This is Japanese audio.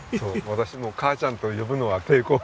私も「母ちゃん」と呼ぶのは抵抗が。